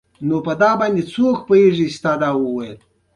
عصري تعلیم مهم دی ځکه چې د پرنټینګ ټیکنالوژي ښيي.